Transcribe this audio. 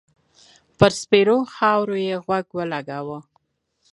پر سپېرو خاور يې غوږ و لګاوه.